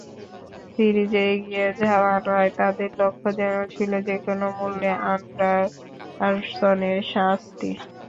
সিরিজে এগিয়ে যাওয়া নয়, তাদের লক্ষ্য যেন ছিল যেকোনো মূল্যে অ্যান্ডারসনের শাস্তি।